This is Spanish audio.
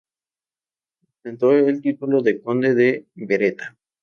Ostentó el título de conde de Beretta.